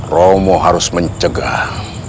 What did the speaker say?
romo harus mencegah